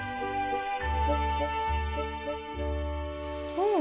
うん。